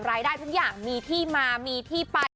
รายได้ทุกอย่างมีที่มามีที่ไป